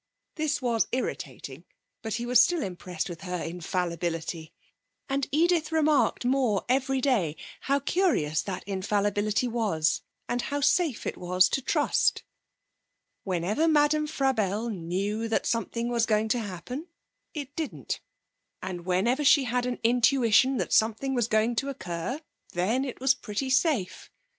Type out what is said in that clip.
This was irritating, but he was still impressed with her infallibility, and Edith remarked more every day how curious that infallibility was, and how safe it was to trust. Whenever Madame Frabelle knew that something was going to happen, it didn't, and whenever she had an intuition that something was going to occur, then it was pretty safe.